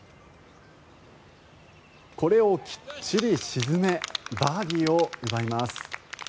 これをきっちり沈めバーディーを奪います。